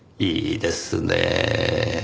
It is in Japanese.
いいですねぇ。